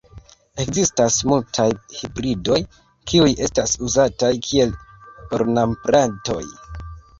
Ekzistas multaj hibridoj, kiuj estas uzataj kiel ornamplantoj.